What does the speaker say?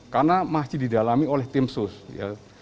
karena masih didalami oleh tim khusus